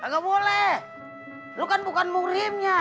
gak boleh lo kan bukan murimnya